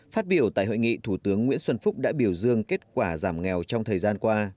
phát biểu tại hội nghị thủ tướng nguyễn xuân phúc đã biểu dương kết quả giảm nghèo trong thời gian qua